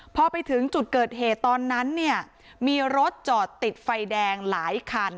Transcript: พอไปถึงจุดเกิดเหตุตอนนั้นเนี่ยมีรถจอดติดไฟแดงหลายคัน